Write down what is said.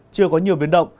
chưa có nhiều biến động